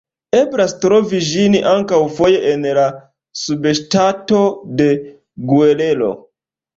Eblas trovi ĝin ankaŭ foje en la subŝtato de Guerrero.